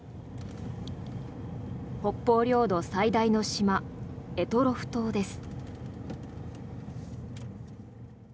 北方領土最大の島、択捉島です。